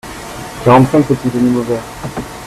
quarante cinq petits animaux verts.